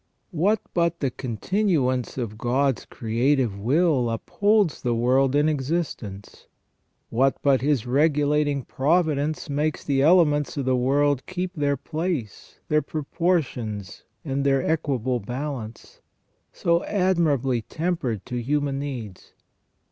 What but the con tinuance of God's creative will upholds the world in existence ? What but His regulating providence makes the elements of the world keep their place, their proportions, and their equable balance, so admirably tempered to human needs